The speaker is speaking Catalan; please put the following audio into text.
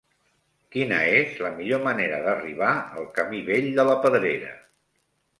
Quina és la millor manera d'arribar al camí Vell de la Pedrera?